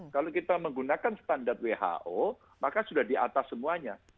kalau kita menggunakan standar who maka sudah di atas semuanya